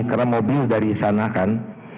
karena mobil dari sana kan